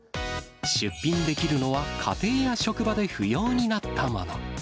出品できるのは、家庭や職場で不要になったもの。